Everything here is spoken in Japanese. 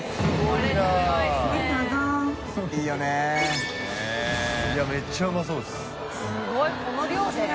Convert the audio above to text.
いやめっちゃうまそうです